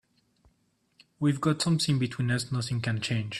We've got something between us nothing can change.